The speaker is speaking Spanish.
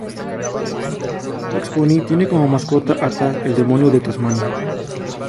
Bugs Bunny tiene como "mascota" a 'Taz', el Demonio de Tasmania.